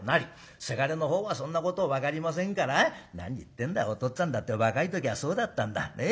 せがれのほうはそんなこと分かりませんから「何言ってんだおとっつぁんだって若い時はそうだったんだ。ねえ。